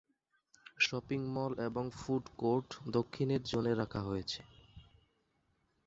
Shopping mall এবং food court দক্ষিণের জোনে রাখা হয়েছে।